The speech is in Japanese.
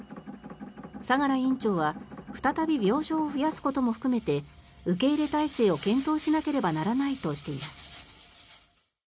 相良院長は再び病床を増やすことも含めて受け入れ態勢を検討しなければならないとしています。